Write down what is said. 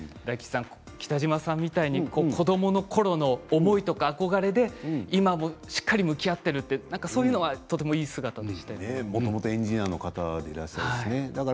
北島さんみたいに子どものころの思いとか憧れで今しっかり向き合っているってそういうのはもともとエンジニアの方ですしね。